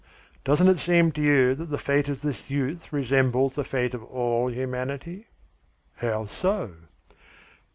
Doesn't it seem to you that the fate of this youth resembles the fate of all humanity?" "How so?"